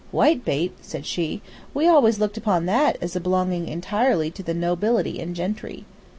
"Whitebait?" said she. "We always looked upon that as belonging entirely to the nobility and gentry."